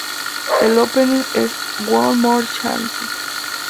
El opening es "One More Chance!!